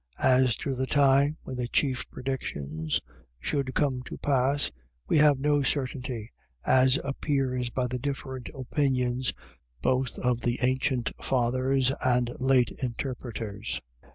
As to the time when the chief predictions should come to pass, we have no certainty, as appears by the different opinions, both of the ancient fathers and late interpreters.